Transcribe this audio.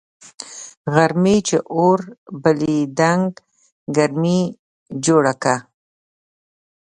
غرمې چي اور بلېدنگ ګرمي جوړه که